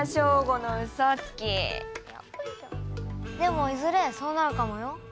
でもいずれそうなるかもよ。